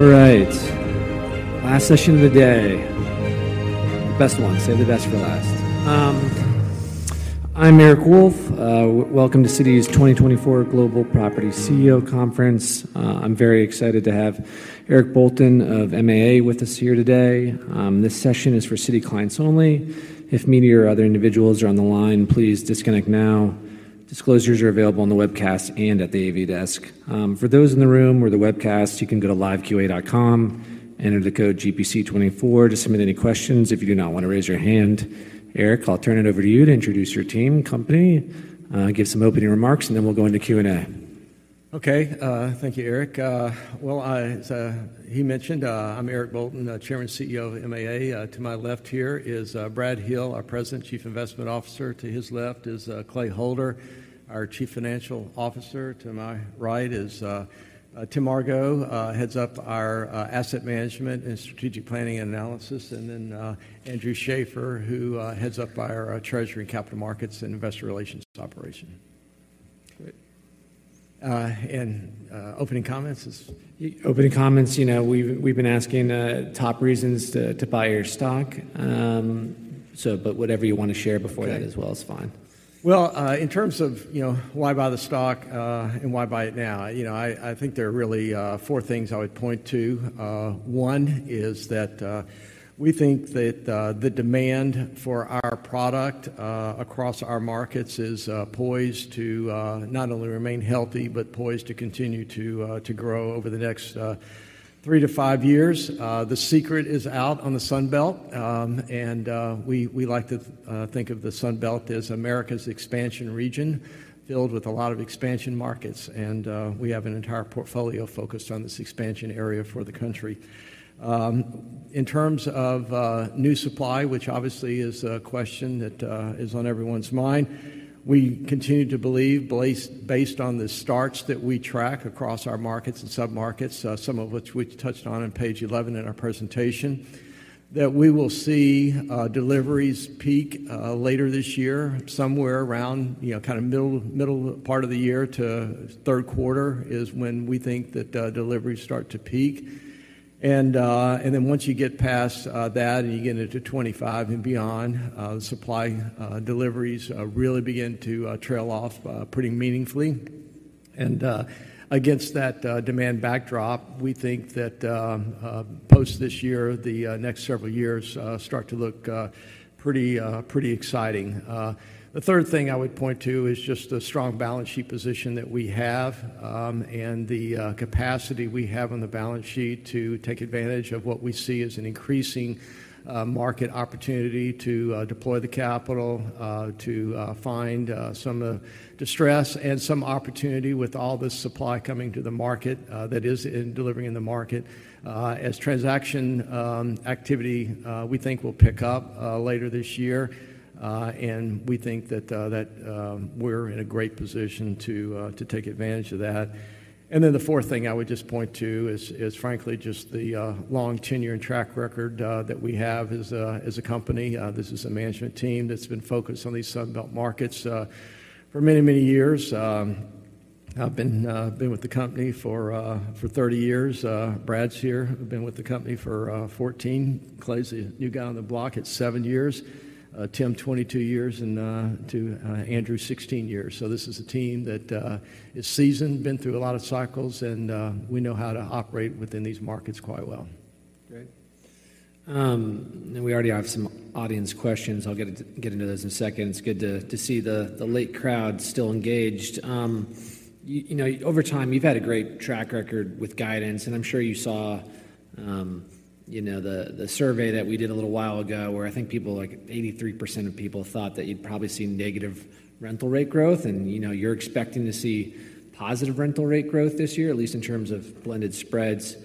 All right, last session of the day. The best one. Save the best for last. I'm Eric Wolfe, welcome to Citi's 2024 Global Property CEO Conference. I'm very excited to have Eric Bolton of MAA with us here today. This session is for Citi clients only. If me or other individuals are on the line, please disconnect now. Disclosures are available on the webcast and at the AV desk. For those in the room or the webcast, you can go to liveqa.com, enter the code GPC24 to submit any questions. If you do not want to raise your hand, Eric, I'll turn it over to you to introduce your team, company, give some opening remarks, and then we'll go into Q&A. Okay. Thank you, Eric. Well, he mentioned, I'm Eric Bolton, Chairman and CEO of MAA. To my left here is Brad Hill, our President, Chief Investment Officer. To his left is Clay Holder, our Chief Financial Officer. To my right is Tim Argo, who heads up our asset management and strategic planning and analysis. And then Andrew Schaeffer, who heads up our treasury and capital markets and investor relations operation. Great. Opening comments is. Your opening comments, you know, we've been asking top reasons to buy your stock. So, but whatever you want to share before that as well is fine. Okay. Well, in terms of, you know, why buy the stock, and why buy it now, you know, I, I think there are really, four things I would point to. One is that, we think that, the demand for our product, across our markets is, poised to, not only remain healthy but poised to continue to, to grow over the next, three to five years. The secret is out on the Sunbelt. And, we, we like to, think of the Sunbelt as America's expansion region filled with a lot of expansion markets. We have an entire portfolio focused on this expansion area for the country. In terms of new supply, which obviously is a question that is on everyone's mind, we continue to believe, based on the starts that we track across our markets and submarkets, some of which we touched on on page 11 in our presentation, that we will see deliveries peak later this year. Somewhere around, you know, kind of middle, middle part of the year to third quarter is when we think that deliveries start to peak. And then once you get past that and you get into 2025 and beyond, supply deliveries really begin to trail off pretty meaningfully. And against that demand backdrop, we think that post this year, the next several years start to look pretty, pretty exciting. The third thing I would point to is just the strong balance sheet position that we have, and the capacity we have on the balance sheet to take advantage of what we see as an increasing market opportunity to deploy the capital to find some of the distress and some opportunity with all this supply coming to the market that is in delivering in the market, as transaction activity we think will pick up later this year. And we think that we're in a great position to take advantage of that. And then the fourth thing I would just point to is frankly just the long tenure and track record that we have as a company. This is a management team that's been focused on these Sunbelt markets for many, many years. I've been with the company for 30 years. Brad's here. I've been with the company for 14. Clay, the new guy on the block, it's seven years. Tim, 22 years, and to Andrew, 16 years. So this is a team that is seasoned, been through a lot of cycles, and we know how to operate within these markets quite well. Great. We already have some audience questions. I'll get into those in a second. It's good to see the late crowd still engaged. You know, over time, you've had a great track record with guidance. I'm sure you saw, you know, the survey that we did a little while ago where I think people, like, 83% of people thought that you'd probably see negative rental rate growth. You know, you're expecting to see positive rental rate growth this year, at least in terms of blended spreads.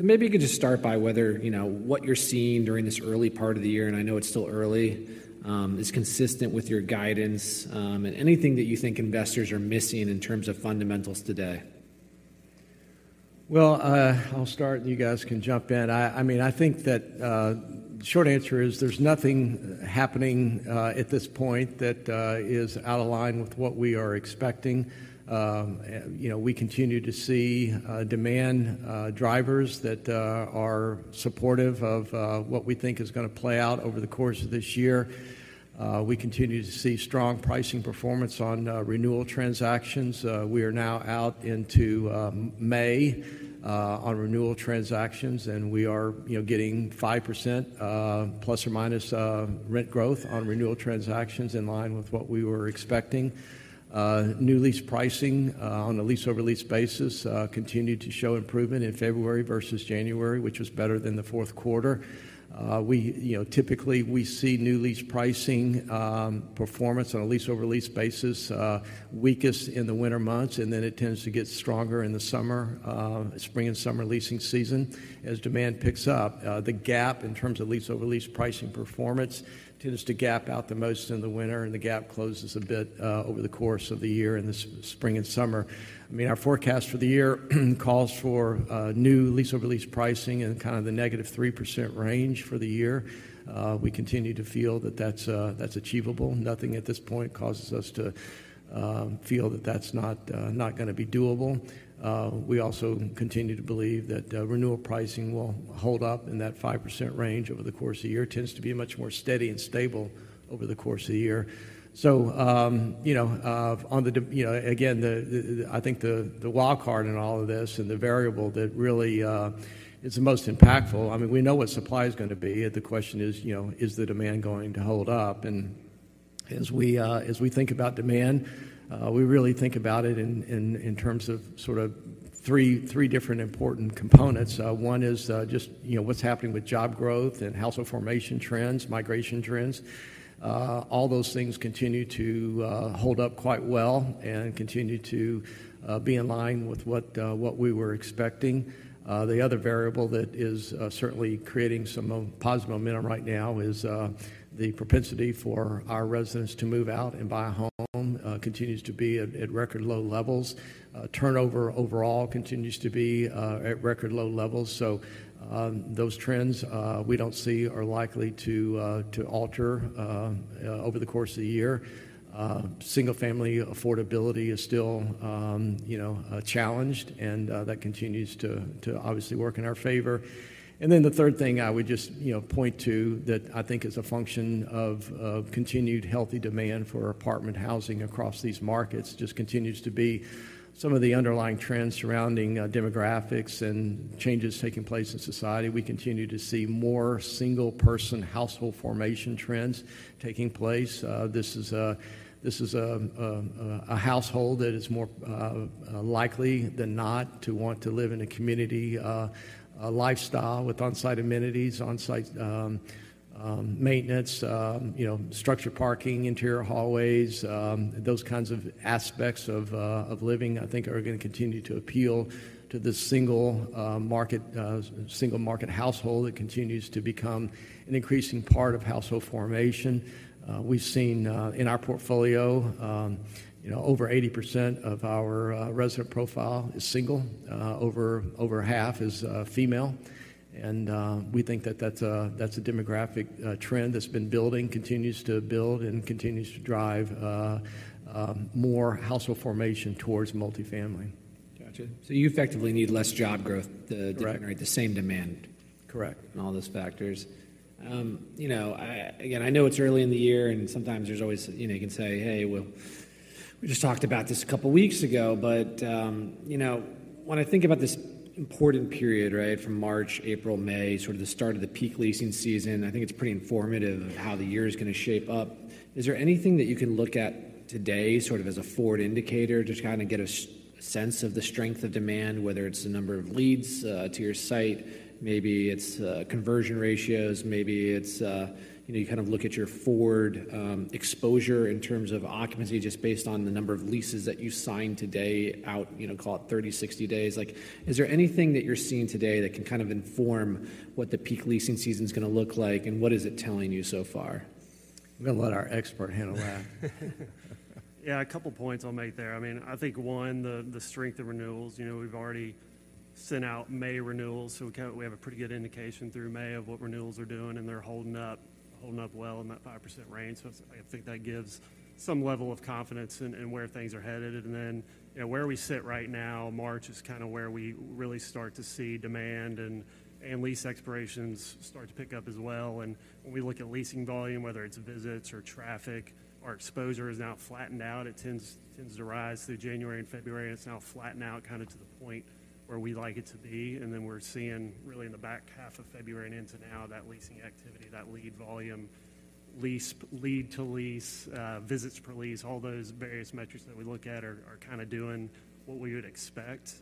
Maybe you could just start by whether, you know, what you're seeing during this early part of the year - and I know it's still early - is consistent with your guidance, and anything that you think investors are missing in terms of fundamentals today. Well, I'll start. You guys can jump in. I mean, I think that the short answer is there's nothing happening at this point that is out of line with what we are expecting. You know, we continue to see demand drivers that are supportive of what we think is going to play out over the course of this year. We continue to see strong pricing performance on renewal transactions. We are now out into May on renewal transactions. We are, you know, getting 5%± rent growth on renewal transactions in line with what we were expecting. New lease pricing, on a lease-over-lease basis, continued to show improvement in February versus January, which was better than the fourth quarter. We, you know, typically see new lease pricing performance on a lease-over-lease basis weakest in the winter months. Then it tends to get stronger in the spring and summer leasing season as demand picks up. The gap in terms of lease-over-lease pricing performance tends to gap out the most in the winter. The gap closes a bit over the course of the year in the spring and summer. I mean, our forecast for the year calls for new lease-over-lease pricing in kind of the -3% range for the year. We continue to feel that that's achievable. Nothing at this point causes us to feel that that's not going to be doable. We also continue to believe that renewal pricing will hold up in that 5% range over the course of the year. It tends to be much more steady and stable over the course of the year. So, you know, on the demand, you know, again, I think the wild card in all of this and the variable that really is the most impactful. I mean, we know what supply is going to be. The question is, you know, is the demand going to hold up? And as we think about demand, we really think about it in terms of sort of three different important components. One is, just, you know, what's happening with job growth and household formation trends, migration trends. All those things continue to hold up quite well and continue to be in line with what we were expecting. The other variable that is certainly creating some more positive momentum right now is the propensity for our residents to move out and buy a home continues to be at record low levels. Turnover overall continues to be at record low levels. So, those trends, we don't see are likely to, to alter, over the course of the year. Single-family affordability is still, you know, challenged. And, that continues to, to obviously work in our favor. And then the third thing I would just, you know, point to that I think is a function of, of continued healthy demand for apartment housing across these markets just continues to be some of the underlying trends surrounding demographics and changes taking place in society. We continue to see more single-person household formation trends taking place. This is a household that is more likely than not to want to live in a community lifestyle with on-site amenities, on-site maintenance, you know, structured parking, interior hallways, those kinds of aspects of living, I think, are going to continue to appeal to this single-market household that continues to become an increasing part of household formation. We've seen in our portfolio, you know, over 80% of our resident profile is single. Over half is female. And we think that that's a demographic trend that's been building, continues to build, and continues to drive more household formation towards multifamily. Gotcha. So you effectively need less job growth to generate the same demand. Right. Correct. And all those factors, you know. I again, I know it's early in the year. And sometimes there's always, you know, you can say, "Hey, well, we just talked about this a couple of weeks ago." But, you know, when I think about this important period, right, from March, April, May, sort of the start of the peak leasing season, I think it's pretty informative of how the year is going to shape up. Is there anything that you can look at today sort of as a forward indicator to kind of get a sense of the strength of demand, whether it's the number of leads to your site, maybe it's conversion ratios, maybe it's, you know, you kind of look at your forward exposure in terms of occupancy just based on the number of leases that you sign today, you know, call it 30, 60 days. Like, is there anything that you're seeing today that can kind of inform what the peak leasing season is going to look like? And what is it telling you so far? I'm going to let our expert handle that. Yeah, a couple of points I'll make there. I mean, I think one, the strength of renewals. You know, we've already sent out May renewals. So we kind of have a pretty good indication through May of what renewals are doing. And they're holding up well in that 5% range. So it's, I think, that gives some level of confidence in where things are headed. And then, you know, where we sit right now, March is kind of where we really start to see demand and lease expirations start to pick up as well. And when we look at leasing volume, whether it's visits or traffic, our exposure is now flattened out. It tends to rise through January and February. And it's now flattened out kind of to the point where we like it to be. And then we're seeing really in the back half of February and into now that leasing activity, that lead volume, lease lead to lease, visits per lease, all those various metrics that we look at are, are kind of doing what we would expect.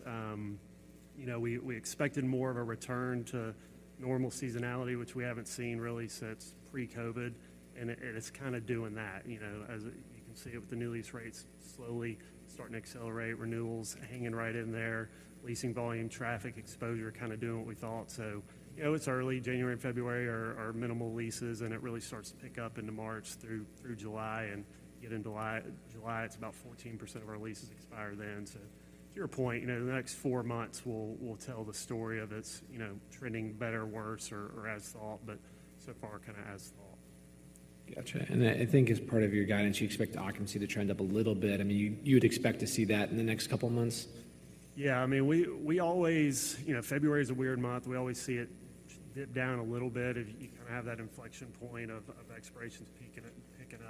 You know, we, we expected more of a return to normal seasonality, which we haven't seen really since pre-COVID. And it, it is kind of doing that, you know, as you can see with the new lease rates slowly starting to accelerate, renewals hanging right in there, leasing volume, traffic, exposure kind of doing what we thought. So, you know, it's early. January and February are, are minimal leases. And it really starts to pick up into March through, through July. And you get into late July, it's about 14% of our leases expire then. So to your point, you know, the next four months will tell the story of it's, you know, trending better, worse, or as thought. But so far, kind of as thought. Gotcha. And I think as part of your guidance, you expect occupancy to trend up a little bit. I mean, you would expect to see that in the next couple of months? Yeah. I mean, we always, you know, February is a weird month. We always see it dip down a little bit. If you kind of have that inflection point of expirations peaking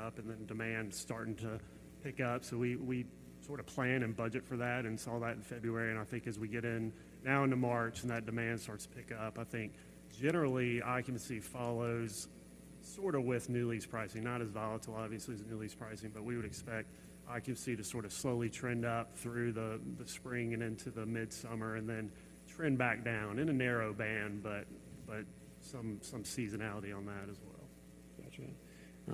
up and then demand starting to pick up. So we sort of plan and budget for that and saw that in February. And I think as we get in now into March and that demand starts to pick up, I think generally, occupancy follows sort of with new lease pricing, not as volatile, obviously, as new lease pricing. But we would expect occupancy to sort of slowly trend up through the spring and into the midsummer and then trend back down in a narrow band, but some seasonality on that as well.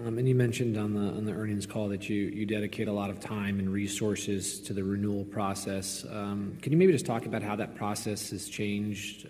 Gotcha. You mentioned on the earnings call that you dedicate a lot of time and resources to the renewal process. Can you maybe just talk about how that process has changed,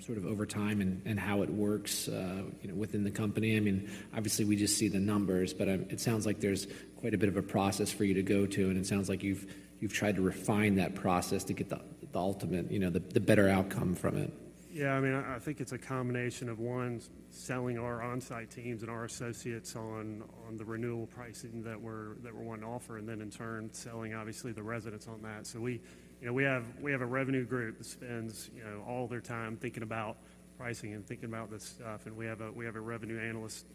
sort of over time and how it works, you know, within the company? I mean, obviously, we just see the numbers. But it sounds like there's quite a bit of a process for you to go to. It sounds like you've tried to refine that process to get the ultimate, you know, the better outcome from it. Yeah. I mean, I, I think it's a combination of, one, selling our on-site teams and our associates on, on the renewal pricing that we're that we're wanting to offer, and then in turn, selling, obviously, the residents on that. So we, you know, we have we have a revenue group that spends, you know, all their time thinking about pricing and thinking about this stuff. And we have a we have a revenue analyst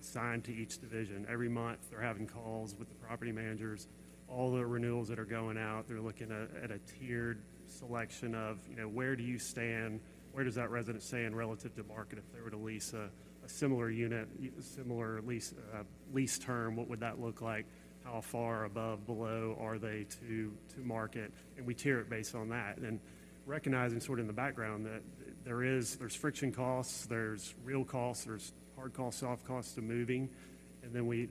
assigned to each division. Every month, they're having calls with the property managers. All the renewals that are going out, they're looking at, at a tiered selection of, you know, where do you stand? Where does that resident stand relative to market if they were to lease a, a similar unit, a similar lease, lease term? What would that look like? How far above, below are they to, to market? We tier it based on that. Recognizing sort of in the background that there's friction costs. There's real costs. There's hard costs, soft costs to moving. And then we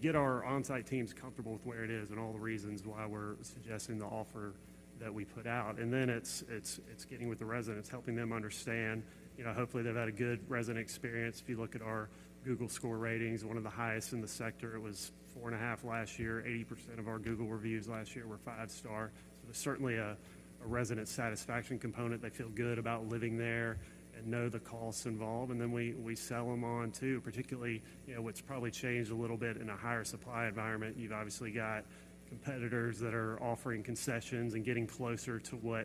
get our on-site teams comfortable with where it is and all the reasons why we're suggesting the offer that we put out. And then it's getting with the residents, helping them understand. You know, hopefully, they've had a good resident experience. If you look at our Google Score ratings, one of the highest in the sector. It was 4.5 last year. 80% of our Google reviews last year were five-star. So there's certainly a resident satisfaction component. They feel good about living there and know the costs involved. And then we sell them on too, particularly, you know, what's probably changed a little bit in a higher supply environment. You've obviously got competitors that are offering concessions and getting closer to what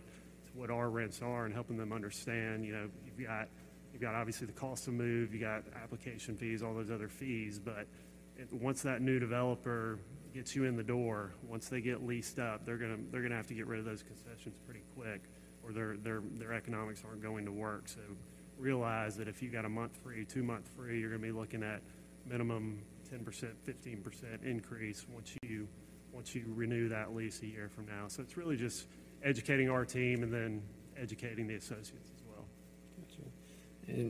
our rents are and helping them understand. You know, you've got, obviously, the cost to move. You've got application fees, all those other fees. But once that new developer gets you in the door, once they get leased up, they're going to have to get rid of those concessions pretty quick, or their economics aren't going to work. So realize that if you've got a month free, two months free, you're going to be looking at minimum 10%-15% increase once you renew that lease a year from now. So it's really just educating our team and then educating the associates as well. Gotcha.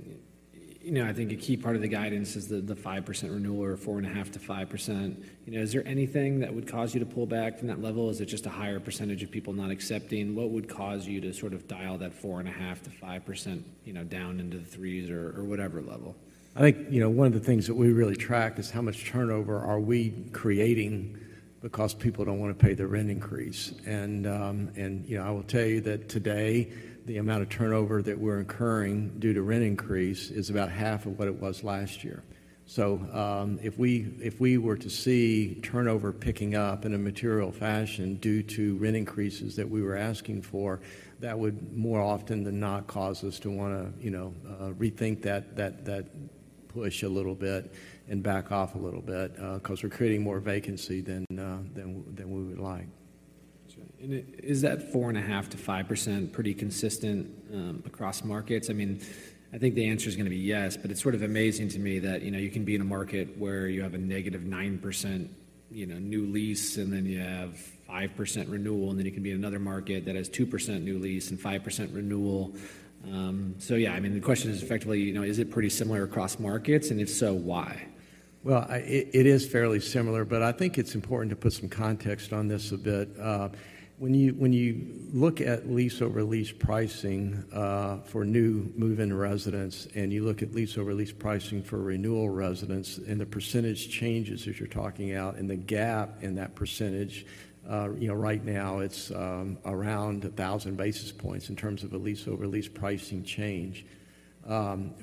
You know, I think a key part of the guidance is the 5% renewal, or 4.5%-5%. You know, is there anything that would cause you to pull back from that level? Is it just a higher percentage of people not accepting? What would cause you to sort of dial that 4.5%-5%, you know, down into the threes or whatever level? I think, you know, one of the things that we really track is how much turnover are we creating because people don't want to pay their rent increase. And, you know, I will tell you that today, the amount of turnover that we're incurring due to rent increase is about half of what it was last year. So, if we were to see turnover picking up in a material fashion due to rent increases that we were asking for, that would more often than not cause us to want to, you know, rethink that push a little bit and back off a little bit, because we're creating more vacancy than we would like. Gotcha. And it is that 4.5%-5% pretty consistent, across markets? I mean, I think the answer is going to be yes. But it's sort of amazing to me that, you know, you can be in a market where you have a -9%, you know, new lease, and then you have 5% renewal. And then you can be in another market that has 2% new lease and 5% renewal. So yeah. I mean, the question is effectively, you know, is it pretty similar across markets? And if so, why? Well, it is fairly similar. But I think it's important to put some context on this a bit. When you look at lease over lease pricing for new move-in residents, and you look at lease over lease pricing for renewal residents, and the percentage changes as you're talking out, and the gap in that percentage, you know, right now it's around 1,000 basis points in terms of a lease over lease pricing change.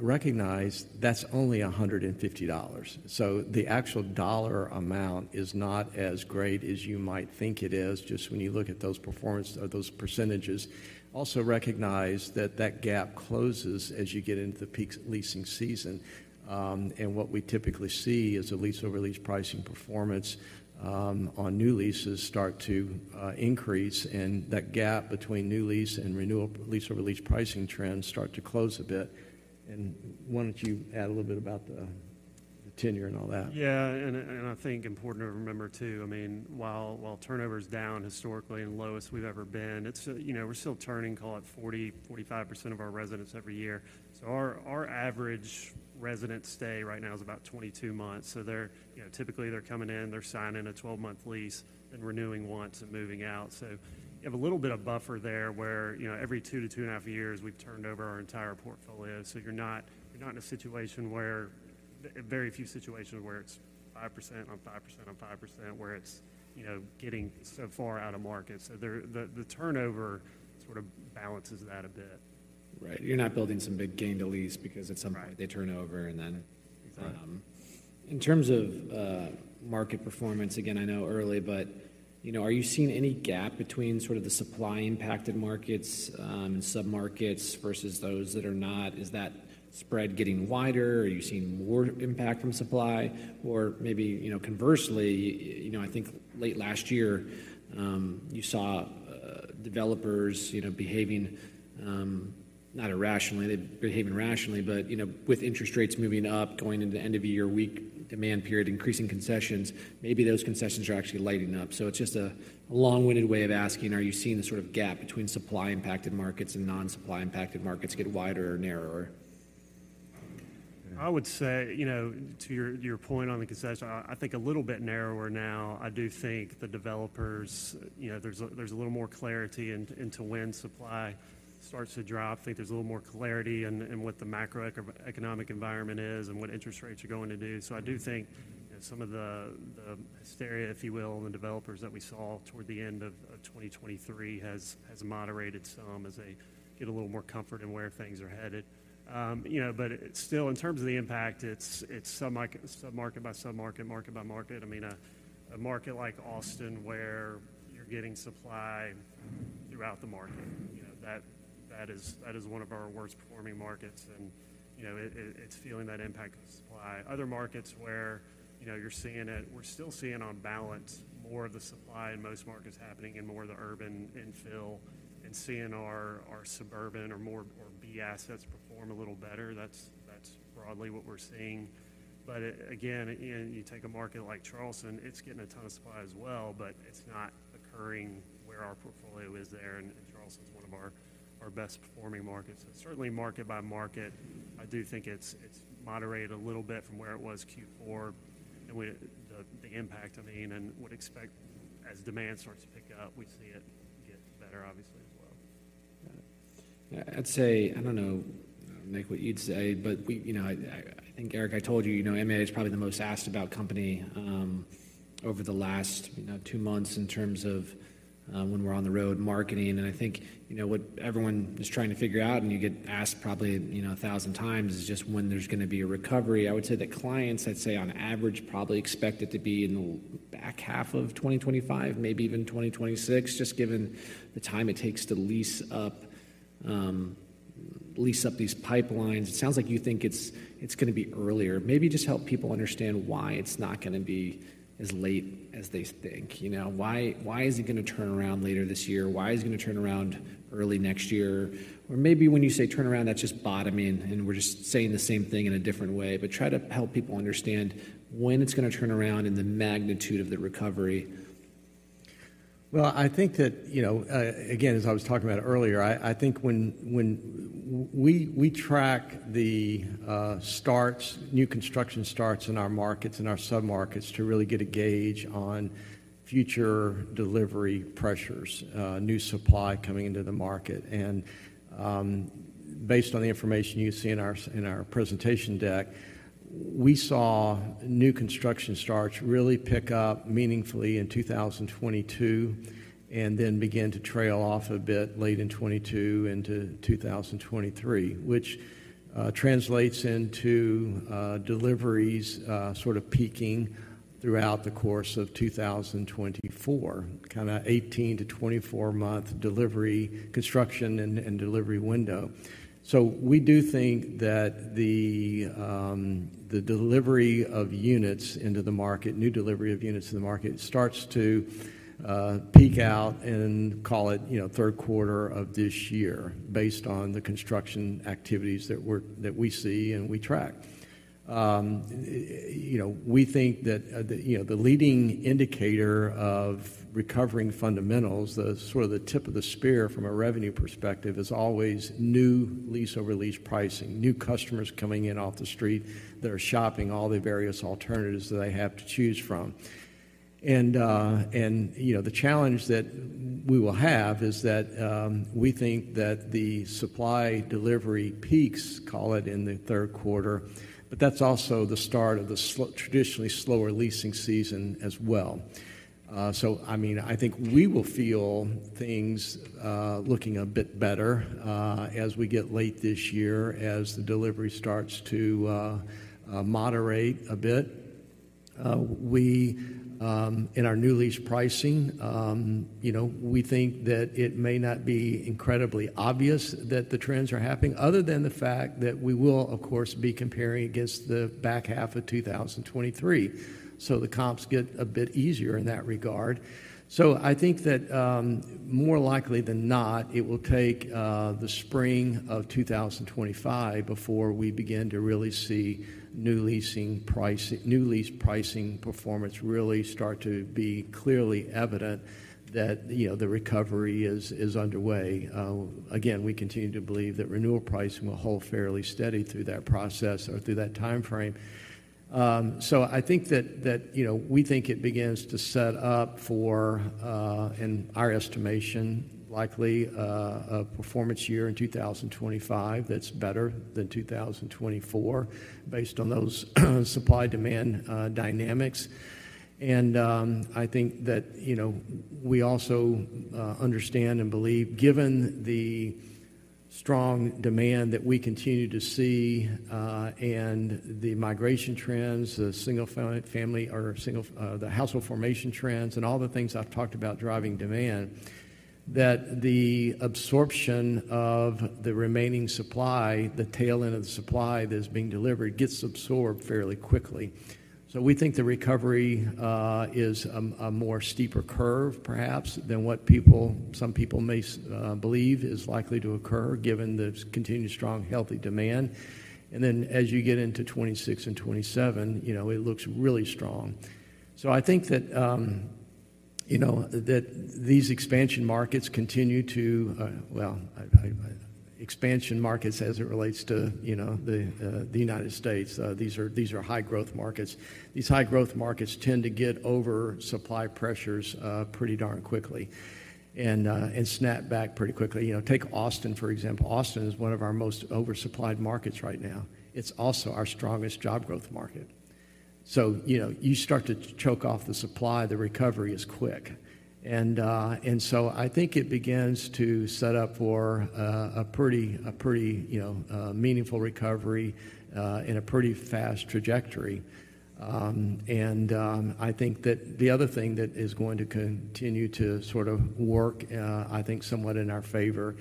Recognize that's only $150. So the actual dollar amount is not as great as you might think it is just when you look at those performance or those percentages. Also, recognize that that gap closes as you get into the peak leasing season. What we typically see is a lease over lease pricing performance on new leases start to increase. That gap between new lease and renewal lease over lease pricing trends start to close a bit. Why don't you add a little bit about the tenure and all that? Yeah. And I think important to remember too, I mean, while turnover is down historically and lowest we've ever been, it's you know, we're still turning, call it, 40%-45% of our residents every year. So our average resident stay right now is about 22 months. So they're you know, typically, they're coming in. They're signing a 12-month lease and renewing once and moving out. So you have a little bit of buffer there where, you know, every two to 2.5 years, we've turned over our entire portfolio. So you're not in a situation where very few situations where it's 5% on 5% on 5% where it's, you know, getting so far out of market. So the turnover sort of balances that a bit. Right. You're not building some big gain to lease because at some point, they turn over. And then. Exactly. In terms of market performance, again, I know it's early. But, you know, are you seeing any gap between sort of the supply-impacted markets and submarkets versus those that are not? Is that spread getting wider? Are you seeing more impact from supply? Or maybe, you know, conversely, you know, I think late last year, you saw developers, you know, behaving not irrationally. They're behaving rationally. But, you know, with interest rates moving up, going into the end-of-year weak demand period, increasing concessions, maybe those concessions are actually letting up. So it's just a long-winded way of asking, are you seeing the sort of gap between supply-impacted markets and non-supply-impacted markets get wider or narrower? I would say, you know, to your point on the concession, I think a little bit narrower now. I do think the developers you know, there's a little more clarity into when supply starts to drop. I think there's a little more clarity in what the macroeconomic environment is and what interest rates are going to do. So I do think, you know, some of the hysteria, if you will, in the developers that we saw toward the end of 2023 has moderated some as they get a little more comfort in where things are headed. You know, but still, in terms of the impact, it's submarket by submarket, market by market. I mean, a market like Austin where you're getting supply throughout the market, you know, that is one of our worst-performing markets. You know, it's feeling that impact of supply. Other markets where, you know, you're seeing it, we're still seeing on balance more of the supply in most markets happening in more of the urban infill and seeing our suburban or more B assets perform a little better. That's broadly what we're seeing. But again, you take a market like Charleston, it's getting a ton of supply as well. But it's not occurring where our portfolio is there. And Charleston is one of our best-performing markets. So certainly, market by market, I do think it's moderated a little bit from where it was Q4. And the impact, I mean, and what we expect as demand starts to pick up, we see it get better, obviously, as well. Got it. Yeah. I'd say I don't know, Nick, what you'd say. But we, you know, I, I, I think, Eric, I told you, you know, MAA is probably the most asked-about company, over the last, you know, two months in terms of, when we're on the road marketing. And I think, you know, what everyone is trying to figure out, and you get asked probably, you know, 1,000 times, is just when there's going to be a recovery. I would say that clients, I'd say, on average, probably expect it to be in the back half of 2025, maybe even 2026, just given the time it takes to lease up, lease up these pipelines. It sounds like you think it's, it's going to be earlier. Maybe just help people understand why it's not going to be as late as they think, you know, why, why is it going to turn around later this year? Why is it going to turn around early next year? Or maybe when you say turn around, that's just bottoming. And we're just saying the same thing in a different way. But try to help people understand when it's going to turn around and the magnitude of the recovery. Well, I think that, you know, again, as I was talking about earlier, I think when we track the starts, new construction starts in our markets and our submarkets to really get a gauge on future delivery pressures, new supply coming into the market. Based on the information you see in our presentation deck, we saw new construction starts really pick up meaningfully in 2022 and then begin to trail off a bit late in 2022 into 2023, which translates into deliveries sort of peaking throughout the course of 2024, kind of 18-24-month delivery construction and delivery window. So we do think that the delivery of units into the market, new delivery of units to the market, starts to peak out in, call it, you know, third quarter of this year based on the construction activities that we see and we track. You know, we think that the, you know, the leading indicator of recovering fundamentals, the sort of tip of the spear from a revenue perspective, is always new lease over lease pricing, new customers coming in off the street that are shopping all the various alternatives that they have to choose from. And, you know, the challenge that we will have is that, we think that the supply delivery peaks, call it, in the third quarter. But that's also the start of the traditionally slower leasing season as well. So I mean, I think we will feel things looking a bit better as we get late this year, as the delivery starts to moderate a bit. We, in our new lease pricing, you know, we think that it may not be incredibly obvious that the trends are happening other than the fact that we will, of course, be comparing against the back half of 2023. So the comps get a bit easier in that regard. So I think that, more likely than not, it will take the spring of 2025 before we begin to really see new leasing pricing new lease pricing performance really start to be clearly evident that, you know, the recovery is underway. Again, we continue to believe that renewal pricing will hold fairly steady through that process or through that time frame. So I think that, you know, we think it begins to set up for, in our estimation, likely, a performance year in 2025 that's better than 2024 based on those supply-demand dynamics. And, I think that, you know, we also understand and believe, given the strong demand that we continue to see, and the migration trends, the single-family or the household formation trends and all the things I've talked about driving demand, that the absorption of the remaining supply, the tail end of the supply that is being delivered, gets absorbed fairly quickly. So we think the recovery is a more steeper curve, perhaps, than what some people may believe is likely to occur given the continued strong, healthy demand. And then as you get into 2026 and 2027, you know, it looks really strong. So I think that, you know, these expansion markets continue to, well, expansion markets as it relates to, you know, the United States. These are high-growth markets. These high-growth markets tend to get over supply pressures pretty darn quickly and snap back pretty quickly. You know, take Austin, for example. Austin is one of our most oversupplied markets right now. It's also our strongest job growth market. So, you know, you start to choke off the supply. The recovery is quick. And so I think it begins to set up for a pretty, you know, meaningful recovery in a pretty fast trajectory. I think that the other thing that is going to continue to sort of work, I think, somewhat in our favor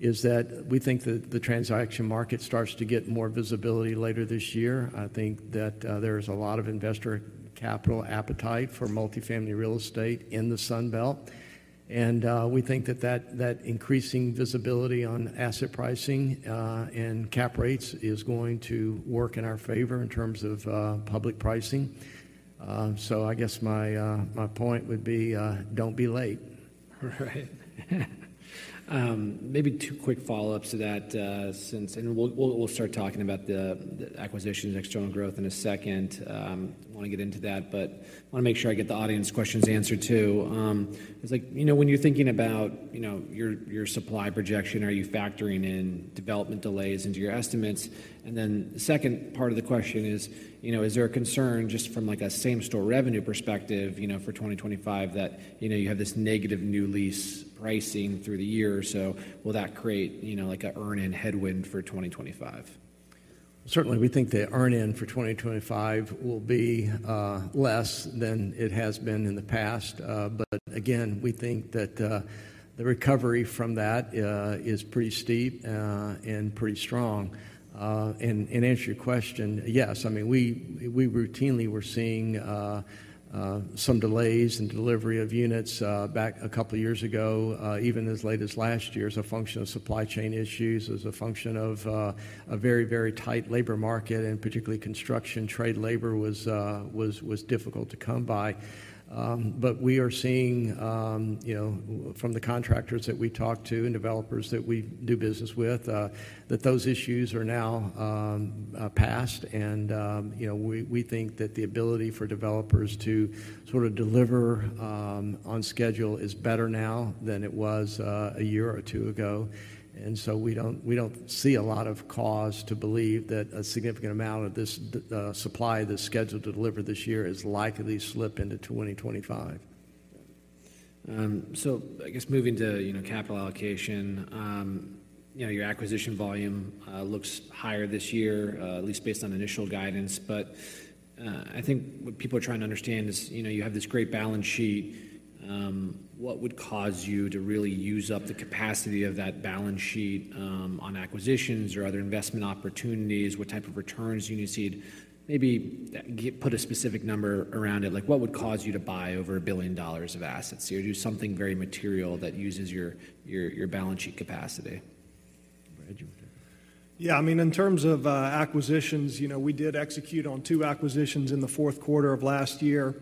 is that we think that the transaction market starts to get more visibility later this year. I think that there is a lot of investor capital appetite for multifamily real estate in the Sunbelt. We think that increasing visibility on asset pricing and cap rates is going to work in our favor in terms of public pricing. So I guess my point would be, don't be late. Right. Maybe two quick follow-ups to that, since, and we'll start talking about the acquisitions and external growth in a second. Want to get into that. But I want to make sure I get the audience questions answered too. It's like, you know, when you're thinking about, you know, your, your supply projection, are you factoring in development delays into your estimates? And then the second part of the question is, you know, is there a concern just from, like, a Same Store revenue perspective, you know, for 2025 that, you know, you have this negative new lease pricing through the year? So will that create, you know, like, an earn-in headwind for 2025? Certainly. We think the earn-in for 2025 will be less than it has been in the past. But again, we think that the recovery from that is pretty steep and pretty strong. And to answer your question, yes. I mean, we routinely were seeing some delays in delivery of units back a couple of years ago, even as late as last year as a function of supply chain issues, as a function of a very tight labor market. And particularly, construction trade labor was difficult to come by. But we are seeing, you know, from the contractors that we talk to and developers that we do business with, that those issues are now past. And, you know, we think that the ability for developers to sort of deliver on schedule is better now than it was a year or two ago. And so we don't see a lot of cause to believe that a significant amount of this supply that's scheduled to deliver this year is likely to slip into 2025. Got it. So I guess moving to, you know, capital allocation, you know, your acquisition volume looks higher this year, at least based on initial guidance. But I think what people are trying to understand is, you know, you have this great balance sheet. What would cause you to really use up the capacity of that balance sheet on acquisitions or other investment opportunities? What type of returns do you need to see? Maybe get put a specific number around it. Like, what would cause you to buy over $1 billion of assets here or do something very material that uses your, your, your balance sheet capacity? Brad Hill. Yeah. I mean, in terms of acquisitions, you know, we did execute on two acquisitions in the fourth quarter of last year.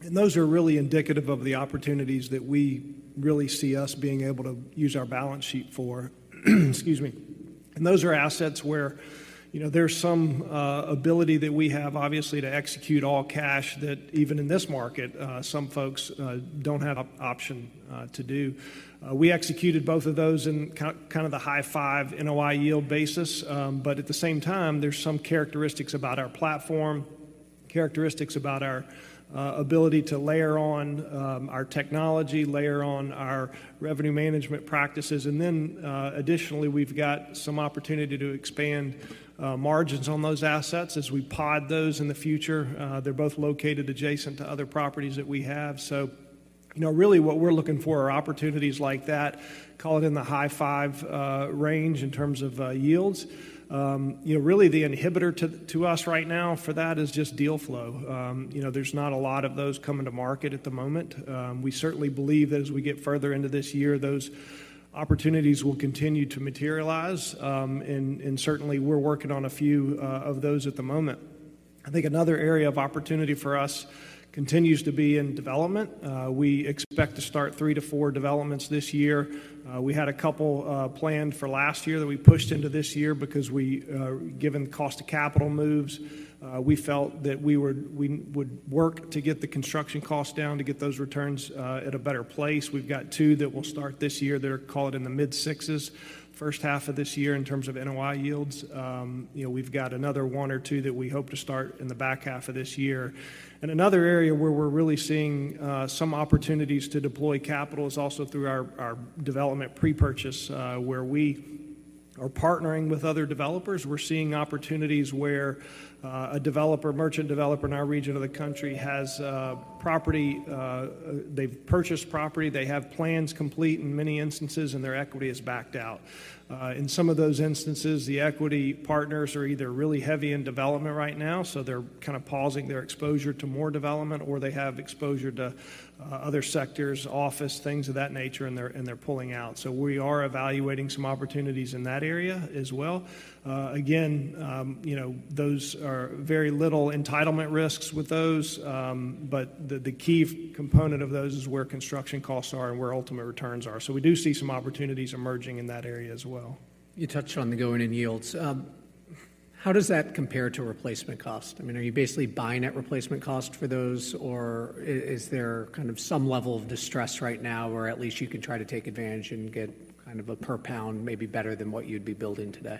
Those are really indicative of the opportunities that we really see us being able to use our balance sheet for. Excuse me. Those are assets where, you know, there's some ability that we have, obviously, to execute all cash that even in this market, some folks don't have option to do. We executed both of those in kind of the high-5% NOI yield basis. But at the same time, there's some characteristics about our platform, characteristics about our ability to layer on our technology, layer on our revenue management practices. And then, additionally, we've got some opportunity to expand margins on those assets as we pod those in the future. They're both located adjacent to other properties that we have. So, you know, really, what we're looking for are opportunities like that, call it in the high-5% range in terms of yields. You know, really, the inhibitor to us right now for that is just deal flow. You know, there's not a lot of those coming to market at the moment. We certainly believe that as we get further into this year, those opportunities will continue to materialize. And certainly, we're working on a few of those at the moment. I think another area of opportunity for us continues to be in development. We expect to start three to four developments this year. We had a couple planned for last year that we pushed into this year because we, given the cost of capital moves, we felt that we would work to get the construction costs down to get those returns at a better place. We've got two that will start this year. They're, call it, in the mid-sixes, first half of this year in terms of NOI yields. You know, we've got another one or two that we hope to start in the back half of this year. Another area where we're really seeing some opportunities to deploy capital is also through our development pre-purchase, where we are partnering with other developers. We're seeing opportunities where a developer, merchant developer in our region of the country has property they've purchased. They have plans complete in many instances, and their equity is backed out. In some of those instances, the equity partners are either really heavy in development right now, so they're kind of pausing their exposure to more development, or they have exposure to other sectors, office, things of that nature, and they're pulling out. So we are evaluating some opportunities in that area as well. Again, you know, those are very little entitlement risks with those. But the key component of those is where construction costs are and where ultimate returns are. So we do see some opportunities emerging in that area as well. You touched on the going-in yields. How does that compare to replacement cost? I mean, are you basically buying at replacement cost for those, or is there kind of some level of distress right now where at least you can try to take advantage and get kind of a per-pound maybe better than what you'd be building today?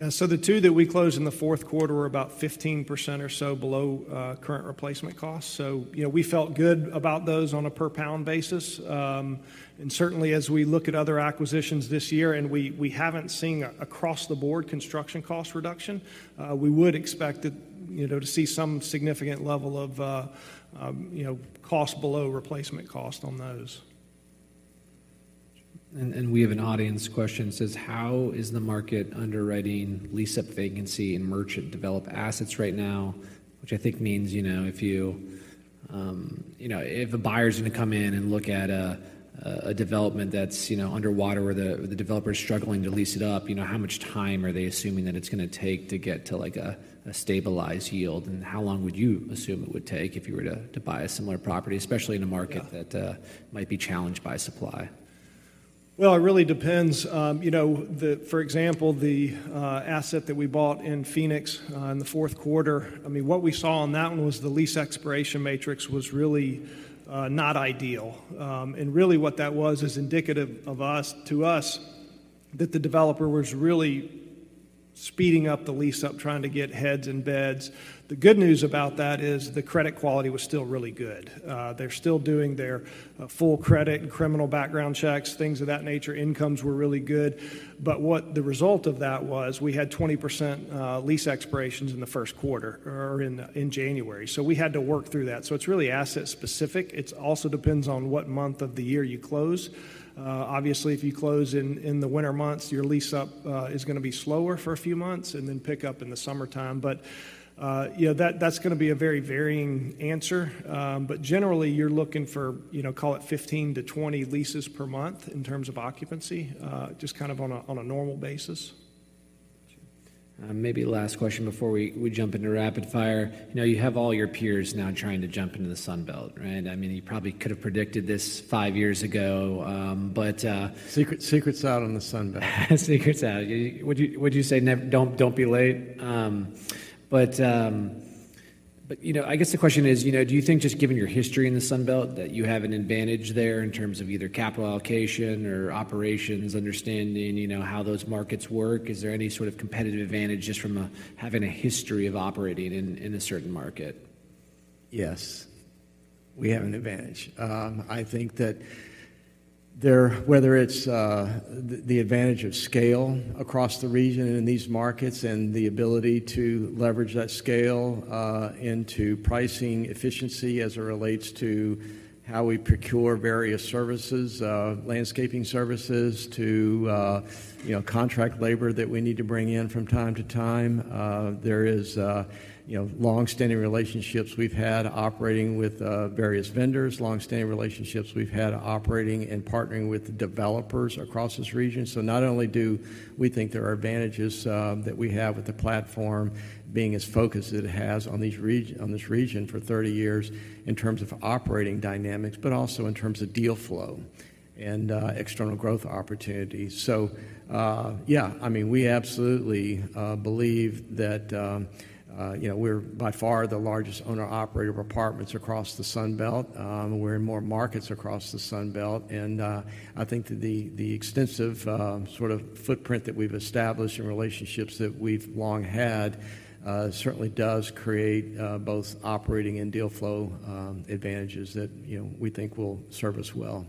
Yeah. So the two that we closed in the fourth quarter are about 15% or so below current replacement costs. So, you know, we felt good about those on a per-pound basis. And certainly, as we look at other acquisitions this year and we haven't seen across the board construction cost reduction, we would expect to, you know, to see some significant level of, you know, cost below replacement cost on those. We have an audience question. It says, "How is the market underwriting lease-up vacancy in merchant-developed assets right now?" Which I think means, you know, if you, you know, if a buyer's going to come in and look at a development that's, you know, underwater where the developer's struggling to lease it up, you know, how much time are they assuming that it's going to take to get to, like, a stabilized yield? And how long would you assume it would take if you were to buy a similar property, especially in a market that might be challenged by supply? Well, it really depends. You know, for example, the asset that we bought in Phoenix in the fourth quarter, I mean, what we saw on that one was the lease expiration matrix was really not ideal. And really, what that was is indicative of us to us that the developer was really speeding up the lease-up, trying to get heads in beds. The good news about that is the credit quality was still really good. They're still doing their full credit and criminal background checks, things of that nature. Incomes were really good. But what the result of that was, we had 20% lease expirations in the first quarter or in January. So we had to work through that. So it's really asset-specific. It also depends on what month of the year you close. Obviously, if you close in the winter months, your lease-up is going to be slower for a few months and then pick up in the summertime. But, you know, that's going to be a very varying answer. But generally, you're looking for, you know, call it 15-20 leases per month in terms of occupancy, just kind of on a normal basis. Gotcha. Maybe last question before we jump into rapid fire. You know, you have all your peers now trying to jump into the Sunbelt, right? I mean, you probably could have predicted this five years ago. but Secret's out on the Sunbelt. Secret's out. Would you say never don't be late? But, you know, I guess the question is, you know, do you think just given your history in the Sunbelt that you have an advantage there in terms of either capital allocation or operations, understanding, you know, how those markets work? Is there any sort of competitive advantage just from having a history of operating in a certain market? Yes. We have an advantage. I think that whether it's the advantage of scale across the region and in these markets and the ability to leverage that scale into pricing efficiency as it relates to how we procure various services, landscaping services to, you know, contract labor that we need to bring in from time to time, there is, you know, longstanding relationships we've had operating with various vendors, longstanding relationships we've had operating and partnering with developers across this region. So not only do we think there are advantages that we have with the platform being as focused as it has on this region for 30 years in terms of operating dynamics, but also in terms of deal flow and external growth opportunities. So, yeah, I mean, we absolutely believe that, you know, we're by far the largest owner-operator of apartments across the Sunbelt. We're in more markets across the Sunbelt. I think that the extensive, sort of footprint that we've established and relationships that we've long had certainly does create both operating and deal flow advantages that, you know, we think will serve us well.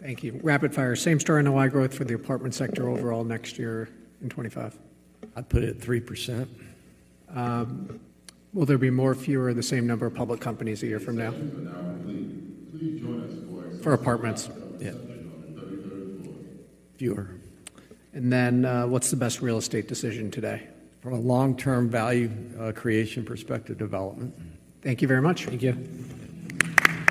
Thank you. Rapid fire. Same Store in NOI growth for the apartment sector overall next year in 2025? I'd put it at 3%. Will there be more or fewer of the same number of public companies a year from now? But now, please, please join us for. For apartments. Yeah. 30, 30, 40. Fewer. What's the best real estate decision today? From a long-term value creation perspective, development. Thank you very much. Thank you.